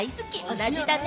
同じだね！